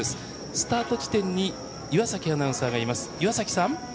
スタート地点に岩崎アナウンサーがいます。